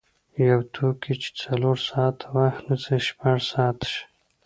یو توکی چې څلور ساعته وخت نیسي شپږ ساعته شي.